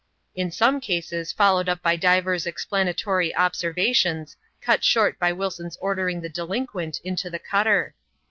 In some cases followed up by divers explanatory observations, cut short by Wilson's ordering the delinquent into the cutter.